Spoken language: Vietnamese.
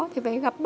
thì phải gặp bố